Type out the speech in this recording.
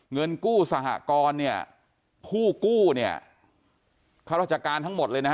เงินกู้สหกรเนี่ยผู้กู้เนี่ยข้าราชการทั้งหมดเลยนะฮะ